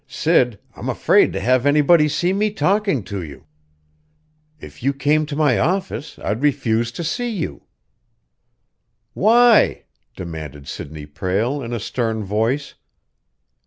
Sid, I'm afraid to have anybody see me talking to you. If you came to my office, I'd refuse to see you " "Why?" demanded Sidney Prale, in a stern voice.